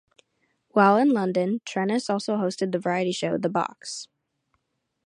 While in London, Trenyce also hosted the variety show "The Box".